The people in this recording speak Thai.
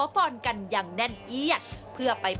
ประคุณอย่างเกั้ง